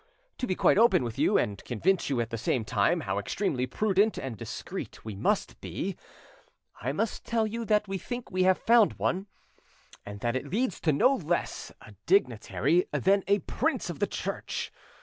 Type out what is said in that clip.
To be quite open with you, and convince you at the same time how extremely prudent and discreet we must be, I must tell you that we think we have found one, and that it leads to no less a dignitary than a Prince of the Church.